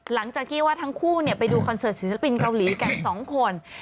หลังจากที่ว่าทั้งคู่ไปดูคอนเสิร์ตศิลปินเกาหลีกัน๒คน